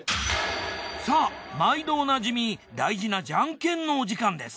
さあ毎度おなじみ大事なじゃんけんのお時間です。